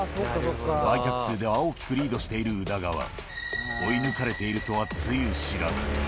売却数では大きくリードしている宇田川、追い抜かれているとはつゆ知らず。